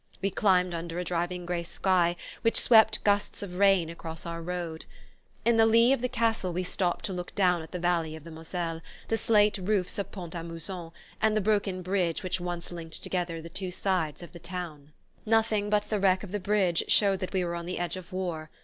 We climbed under a driving grey sky which swept gusts of rain across our road. In the lee of the castle we stopped to look down at the valley of the Moselle, the slate roofs of Pont a Mousson and the broken bridge which once linked together the two sides of the town. Nothing but the wreck of the bridge showed that we were on the edge of war.